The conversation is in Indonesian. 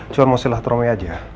cuar mau silah tromi aja